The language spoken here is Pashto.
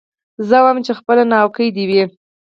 زه وايم چي خپله ناوکۍ دي وي